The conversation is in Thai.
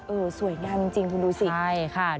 สวยงามจริงคุณดูสิใช่ค่ะ